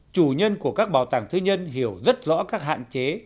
chủ nhân của các bảo tàng tư nhân hiểu rất rõ các hạn chế